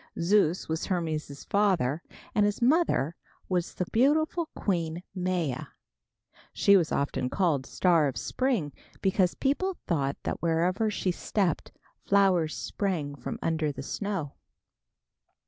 Zeus was Hermes' father and his mother was the beautiful Queen Maia. She was often called "Star of Spring," because people thought that wherever she stepped flowers sprang from under the snow.